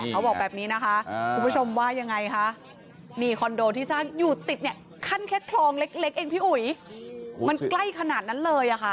เขาบอกแบบนี้นะคะคุณผู้ชมว่ายังไงคะนี่คอนโดที่สร้างอยู่ติดเนี่ยขั้นแค่คลองเล็กเองพี่อุ๋ยมันใกล้ขนาดนั้นเลยอะค่ะ